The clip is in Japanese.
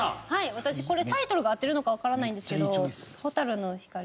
私これタイトルが合ってるのかわからないんですけど「ホタルノヒカリ」。